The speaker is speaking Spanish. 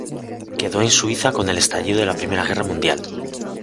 Quedó en Suiza con el estallido de la Primera Guerra Mundial.